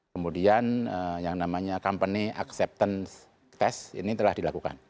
kemudian yang namanya company acceptance test ini telah dilakukan